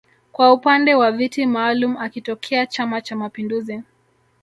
kwa upande wa viti maalum akitokea chama cha mapinduzi